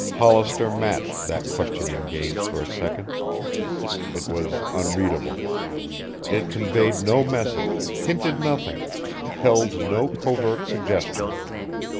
Hollister matched that questioning gaze for a second. It was unreadable. It conveyed no message, hinted nothing, held no covert suggestion.